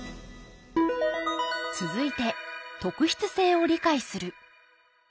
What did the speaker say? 続いて「特筆性を理解する」。